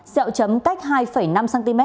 xẹo chấm cách hai năm cm